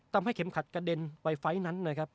ทำให้เข็มขัดกระเด็นไปไฟล์นั้นนะครับ